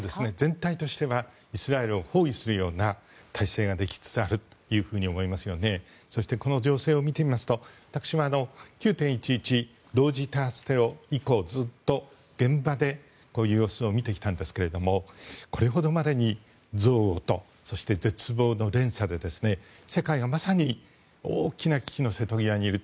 全体としてはイスラエルを包囲するような体制ができつつあると思いますのでそして、この情勢を見てみますと私は９・１１同時多発テロ以降ずっと現場でこういう様子を見てきたんですがこれほどまでに憎悪と絶望の連鎖で世界がまさに大きな危機の瀬戸際にいる。